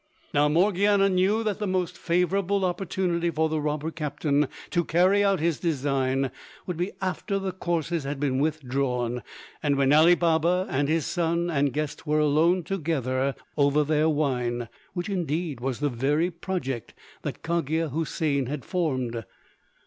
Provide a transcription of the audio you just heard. Now Morgiana knew that the most favourable opportunity for the robber captain to carry out his design would be after the courses had been withdrawn, and when Ali Baba and his son and guest were alone together over their wine, which indeed was the very project that Cogia Houssain had formed.